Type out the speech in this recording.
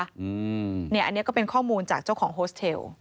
อันนี้ก็เป็นข้อมูลจากเจ้าของโฮสเทล